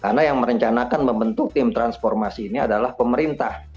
karena yang merencanakan membentuk tim transformasi ini adalah pemerintah